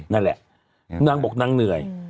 นั่นแหละนางบอกนางเหนื่อย